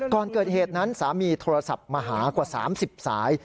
ก่อนเกิดเหตุนั้นสามีโทรศัพท์มาหากว่า๓๐สาย